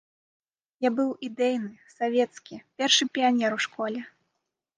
Я быў ідэйны, савецкі, першы піянер у школе.